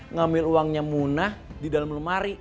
ngambil uangnya munah di dalam lemari